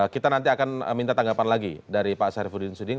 kita nanti akan minta tanggapan lagi dari pak syarifudin suding